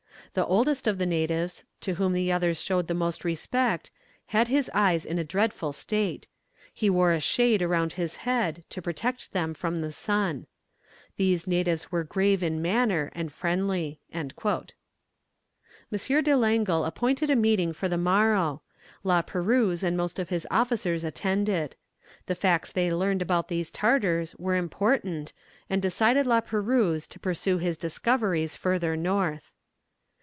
The oldest of the natives, to whom the others showed the most respect, had his eyes in a dreadful state; he wore a shade round his head, to protect them from the sun. These natives were grave in manner, and friendly." M. de Langle appointed a meeting for the morrow. La Perouse and most of his officers attended. The facts they learned about these Tartars were important, and decided La Perouse to pursue his discoveries further north.